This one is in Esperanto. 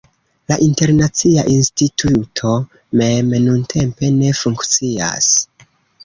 La Internacia Instituto mem nuntempe ne funkcias.